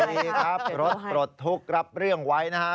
ดีครับรถปลดทุกข์รับเรื่องไว้นะฮะ